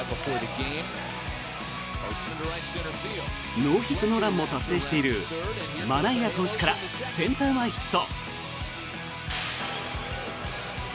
ノーヒット・ノーランも達成しているマナイア投手からセンター前ヒット。